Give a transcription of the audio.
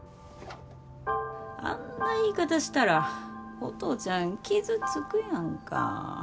あんな言い方したらお父ちゃん傷つくやんか。